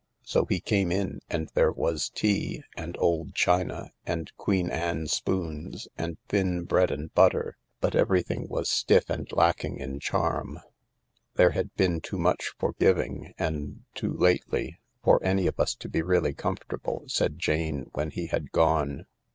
So he came in, and there was tea, and old china, and Queen Afine spoons, and thin bread and fcutter— but everything was stiff and lacking in charm. "There had been too much forgiving, and too lately, for any of us to be really comfortable," said Jane when he had gone.